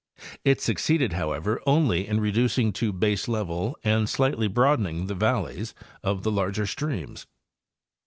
It succeeded, however, only in reducing to baselevel and slightly broadening the valleys of the larger streams.